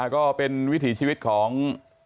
ก็เป็นวิถีชีวิตของ